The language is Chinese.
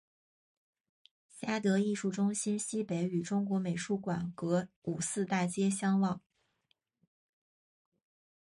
嘉德艺术中心西北与中国美术馆隔五四大街相望。